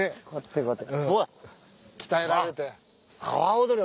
鍛えられて。